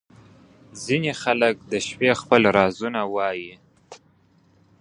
• ځینې خلک د شپې خپل رازونه وایې.